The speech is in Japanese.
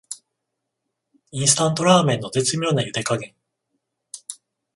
インスタントラーメンの絶妙なゆで加減